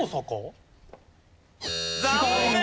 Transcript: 残念！